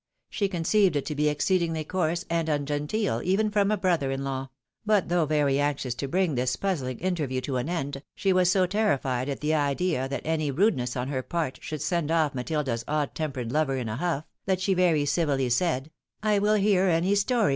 She conceived it to be exceedingly coarse and ungenteel, even from a brother in law ; but though very anxious to bring this puzzling interview to an end, she was so terrified at the idea that any rudeness on her part should send off Matilda's odd tempered lover in a huff, that she very civiUy said, " I wiU hear any story.